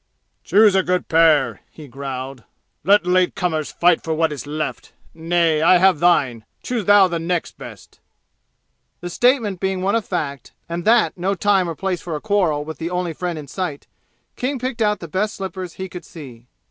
"Choose a good pair!" he growled. "Let late comers fight for what is left! Nay, I have thine! Choose thou the next best!" The statement being one of fact, and that no time or place for a quarrel with the only friend in sight, King picked out the best slippers he could see.